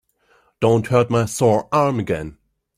Don't hurt my sore arm again.